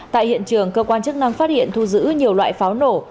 tại hiện trường cơ quan chức năng phát hiện thu giữ nhiều loại pháo nổ